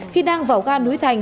khi đang vào ga núi thành